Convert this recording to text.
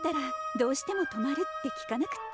「どうしても泊まる」って聞かなくって。